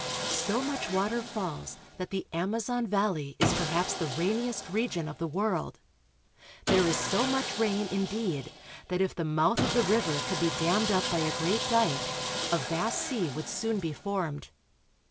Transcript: So much water falls that the Amazon valley is perhaps the rainiest region of the world. There is so much rain, indeed, that if the mouth of the river could be dammed up by a great dike a vast sea would soon be formed.